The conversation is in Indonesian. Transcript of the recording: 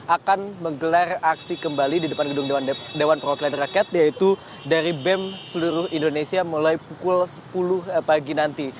akan menggelar aksi kembali di depan gedung dewan perwakilan rakyat yaitu dari bem seluruh indonesia mulai pukul sepuluh pagi nanti